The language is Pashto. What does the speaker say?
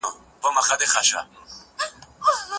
کمره مین په خپله دنده کې ډېر لایق دی.